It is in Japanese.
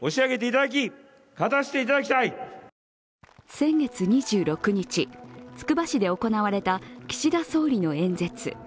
先月２６日、つくば市で行われた岸田総理の演説。